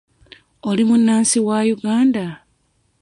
Oli munnansi wa Uganda?